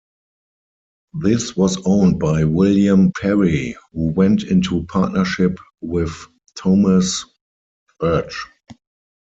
This was owned by William Perry, who went into partnership with Thomas Urch.